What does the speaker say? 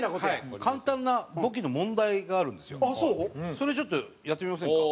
それちょっとやってみませんか？